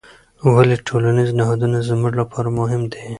ولې ټولنیز نهادونه زموږ لپاره مهم دي؟